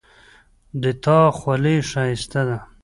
د تا خولی ښایسته ده